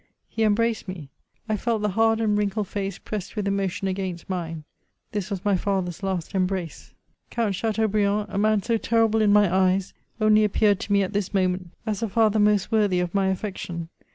He embraced me ; I felt the hard and wrinkled face pressed with emotion against mine ; this was my father's last embrace. Count Chateaubriand, a man so terrible in my eyes, only iippeared to me at this moment, as a fother most worthy of my aflection.